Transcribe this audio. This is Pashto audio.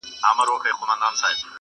چي د ده عاید څو چنده دا علت دی.